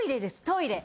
トイレ！